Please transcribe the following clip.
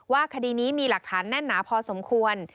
คดีนี้มีหลักฐานแน่นหนาพอสมควร